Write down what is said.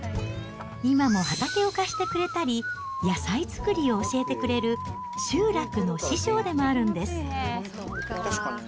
今も畑を貸してくれたり、野菜作りを教えてくれる、集落の師匠でもあるんです。